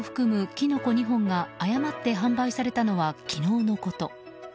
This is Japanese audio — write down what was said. キノコ２本が誤って販売されたのは昨日のこと。